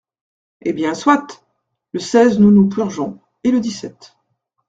Eh bien, soit !… le seize, nous nous purgeons… et le dix-sept…